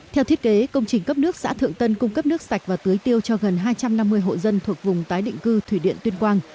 theo thiết kế công trình cấp nước xã thượng tân cung cấp nước sạch và tưới tiêu cho gần hai trăm năm mươi hộ dân thuộc vùng tái định cư thủy điện tuyên quang